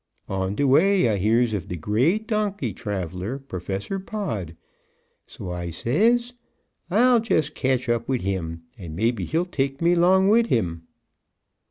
On de way I hears of de great donkey traveler, Professor Pod, so I says, I'll jest catch up wid him, and mebbe he'll take me 'long wid him."